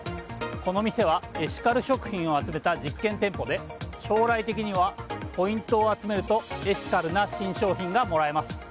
この店はエシカル食品を集めた実験店舗で将来的にはポイントを集めるとエシカルな新商品がもらえます。